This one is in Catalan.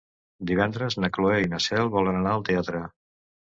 Divendres na Cloè i na Cel volen anar al teatre.